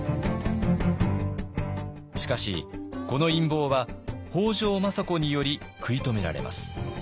しかしこの陰謀は北条政子により食い止められます。